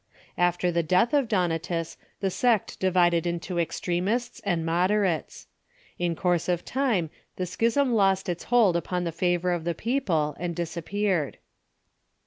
After the death of Donatus the sect di vided into extremists and moderates. In course of time the schism lost its hold upon the favor of the people, and disap peared.